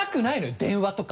電話とか！